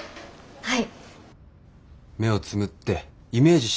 はい。